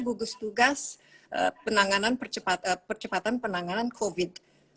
gugus tugas penanganan percepatan covid sembilan belas